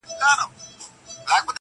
o لښکر که ډېر وي، بې سره هېر وي.